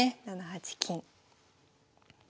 ７八金。